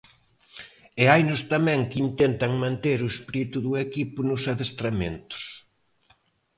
E hainos tamén que intentan manter o espírito de equipo nos adestramentos.